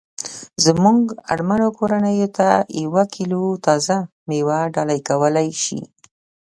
زمونږ اړمنو کورنیوو ته یوه کیلو تازه میوه ډالۍ کولای شي